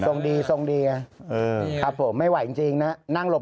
น่ะส่งดีส่งดีอ่ะเออครับผมไม่ไหวจริงจริงน่ะนั่งหลบ